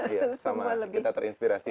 iya sama kita terinspirasi